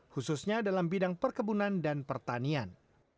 khususnya dalam bidang perkebunan dan pertanian